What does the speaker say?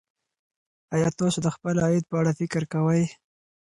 ایا تاسو د خپل عاید په اړه فکر کوئ.